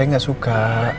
saya enggak suka